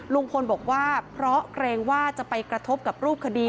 ลุงพลบอกว่าเพราะเกรงว่าจะไปกระทบกับรูปคดี